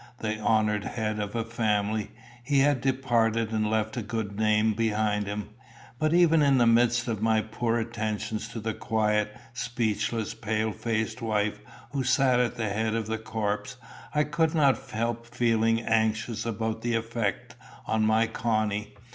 The honoured head of a family, he had departed and left a good name behind him. But even in the midst of my poor attentions to the quiet, speechless, pale faced wife, who sat at the head of the corpse, I could not help feeling anxious about the effect on my Connie.